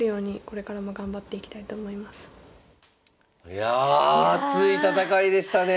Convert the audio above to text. いや熱い戦いでしたね。